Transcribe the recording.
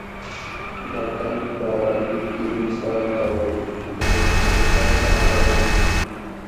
متل په عربي کې مثل ته وایي چې د مشابهت مانا لري